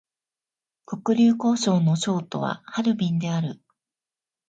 黒竜江省の省都はハルビンである